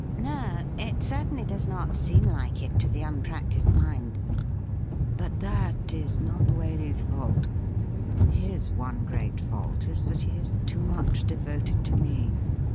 ' No, it certainly does not seem like it to the unpractised mind.' ' But that is not Waley's fault. His one great fault is that he is too much devoted to me.